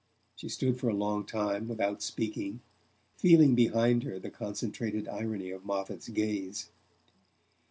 She stood for a long time without speaking, feeling behind her the concentrated irony of Moffatt's gaze.